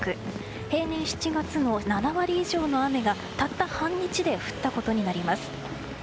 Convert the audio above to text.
平年７月の７割以上の雨がたった半日で降ったことになります。